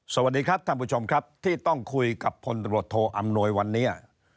สวัสดีครับท่านผู้ชมครับที่ต้องคุยกับพลตรวจโทอำนวยวันนี้